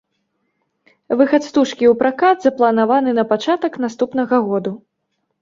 Выхад стужкі ў пракат запланаваны на пачатак наступнага году.